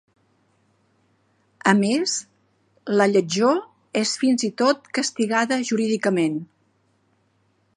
A més, la lletjor és fins i tot castigada jurídicament.